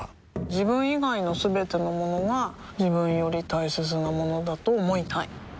自分以外のすべてのものが自分より大切なものだと思いたい